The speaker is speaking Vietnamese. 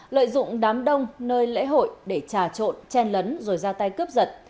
lợi dụng đám đông nơi lễ hội để trà trộn chen lấn rồi ra tay cướp giật